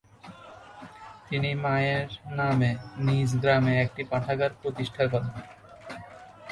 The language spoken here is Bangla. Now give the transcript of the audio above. তিনি মায়ের নামে নিজ গ্রামে একটি পাঠাগার প্রতিষ্ঠা করেন।